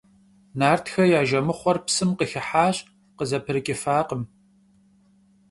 Nartxe ya jjemıxhuer psım khıxıhaş – khızeprıç'ıfakhım.